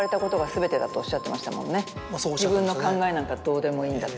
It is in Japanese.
「自分の考えなんかどうでもいいんだ」って。